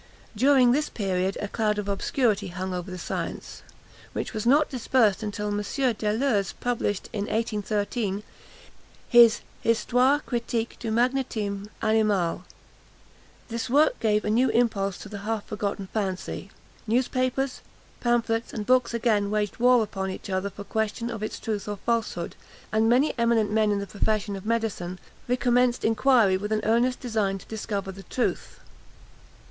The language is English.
During this period a cloud of obscurity hung over the science, which was not dispersed until M. Deleuze published, in 1813, his Histoire Critique du Magnétisme Animal. This work gave a new impulse to the half forgotten fancy. Newspapers, pamphlets, and books again waged war upon each other on the question of its truth or falsehood; and many eminent men in the profession of medicine recommenced inquiry with an earnest design to discover the truth.